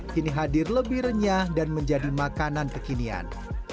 kini hadir lebih renyah dan menjadi makanan kekinian